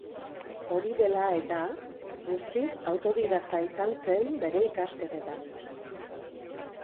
Hori dela eta, guztiz autodidakta izan zen bere ikasketetan.